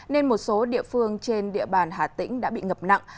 nên một số địa phương trên địa bàn hà tĩnh đã bị ngập nặng